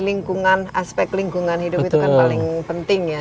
lingkungan aspek lingkungan hidup itu kan paling penting ya